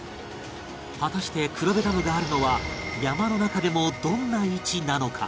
果たして黒部ダムがあるのは山の中でもどんな位置なのか？